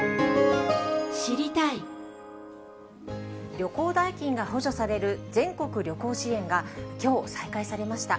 旅行代金が補助される全国旅行支援が、きょう再開されました。